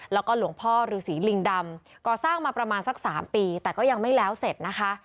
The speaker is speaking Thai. แล้วก็หลวงพ่อฤษีลิงดำก่อสร้างมาประมาณสักสามปีแต่ก็ยังไม่แล้วเสร็จนะคะ